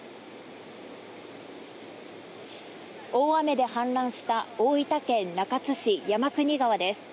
大雨で氾濫した大分県中津市・山国川です。